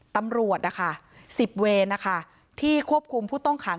ตำรวจนะคะ๑๐เวรนะคะที่ควบคุมผู้ต้องขัง